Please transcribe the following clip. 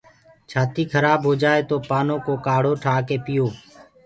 ڇآتي کرآب هوجآئي تو پآنو ڪو ڪآڙهو ٺآڪي پيو۔